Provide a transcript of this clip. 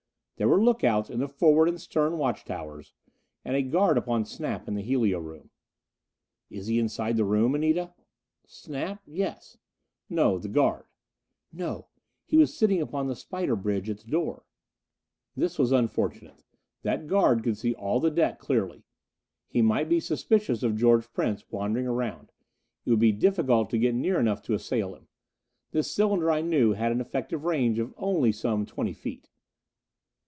There were look outs in the forward and stern watch towers, and a guard upon Snap in the helio room. "Is he inside the room, Anita?" "Snap? Yes." "No the guard." "No. He was sitting upon the spider bridge at the door." This was unfortunate. That guard could see all the deck clearly. He might be suspicious of George Prince wandering around; it would be difficult to get near enough to assail him. This cylinder, I knew, had an effective range of only some twenty feet.